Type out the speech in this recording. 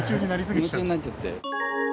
夢中になっちゃって。